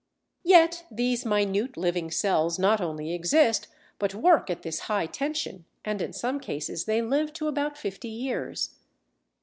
] Yet these minute living cells not only exist but work at this high tension, and, in some cases, they live to about fifty years.